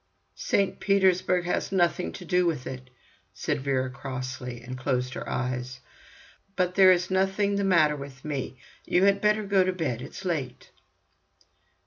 "St. Petersburg has nothing to do with it," said Vera crossly, and closed her eyes. "But there is nothing the matter with me. You had better go to bed, it's late."